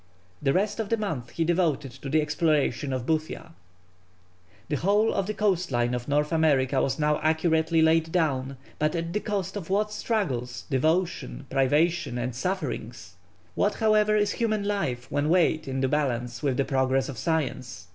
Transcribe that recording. The rest of the month he devoted to the exploration of Boothia. [Illustration: Discovery of Victoria Land.] The whole of the coast line of North America was now accurately laid down, but at the cost of what struggles, devotion, privations, and sufferings? What, however, is human life when weighed in the balance with the progress of science?